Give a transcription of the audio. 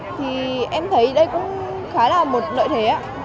thì em thấy đây cũng khá là một lợi thế ạ